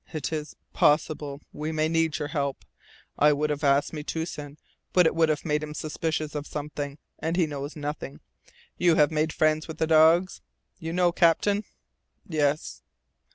"It is possible. We may need your help. I would have asked Metoosin, but it would have made him suspicious of something and he knows nothing. You have made friends with the dogs? You know Captain?" "Yes!"